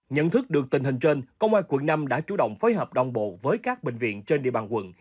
nhận thức được tình hình trên công an quận năm đã chủ động phối hợp đồng bộ với các bệnh viện trên địa bàn quận